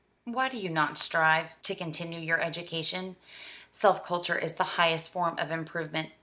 Why do you not strive to continue your education? Self culture is the highest form of improvement.